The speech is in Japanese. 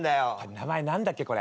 名前何だっけこれ。